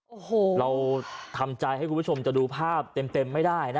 โอ้โหเราทำใจให้คุณผู้ชมจะดูภาพเต็มไม่ได้นะ